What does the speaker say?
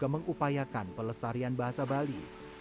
mengupayakan pelestarian bahasa bali